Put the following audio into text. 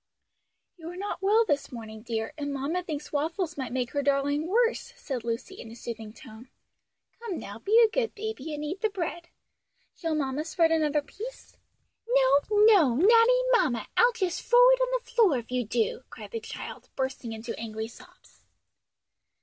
"You are not well this morning, dear, and mamma thinks waffles might make her darling worse," said Lucy in a soothing tone. "Come now be a good baby, and eat the bread. Shall mamma spread another piece?" "No, no, naughty mamma! I'll jus' frow it on the floor if you do," cried the child, bursting into angry sobs.